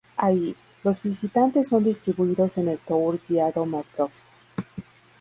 Allí, los visitantes son distribuidos en el tour guiado más próximo.